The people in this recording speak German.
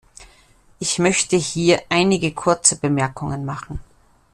Ich möchte hier einige kurze Bemerkungen machen.